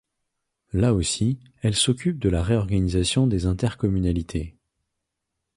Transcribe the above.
Là aussi, elle s'occupe de la réorganisation des Intercommunalités.